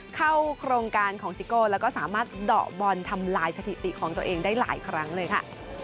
เข้าโครงการของซิโก้แล้วก็สามารถเดาะบอลทำลายสถิติของตัวเองได้หลายครั้งเลยค่ะ